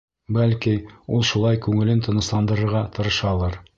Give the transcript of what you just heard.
Бәлки, ул шулай күңелен тынысландырырға тырышалыр.